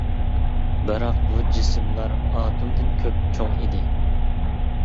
بىراق بۇ جىسىملار ئاتومدىن كۆپ چوڭ ئىدى.